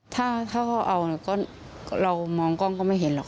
ถ้าเขาเอาเรามองกล้องก็ไม่เห็นหรอก